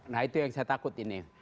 nah itu yang saya takut ini